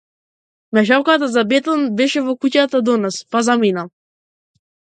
Мешалката за бетон беше во куќата до нас, па замина.